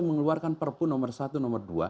mengeluarkan perpu nomor satu nomor dua